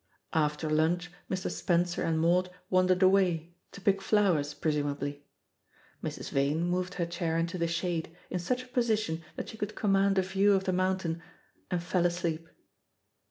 After lunch Mr. Spencer and Maud wandered away to pick flowers, presumably. Mrs. Vane moved her chair into the shade, in such a position that she could command a view of the mountain, and fell asleep.